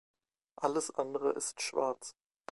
Alles andere ist schwarz.